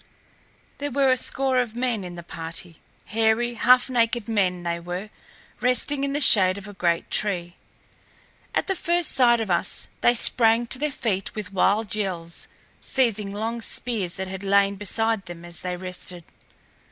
There were a score of men in the party. Hairy, half naked men they were, resting in the shade of a great tree. At the first sight of us they sprang to their feet with wild yells, seizing long spears that had lain beside them as they rested.